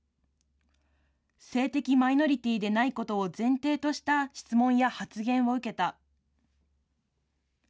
性的マイノリティーでないことを前提とした質問や発言を受けた。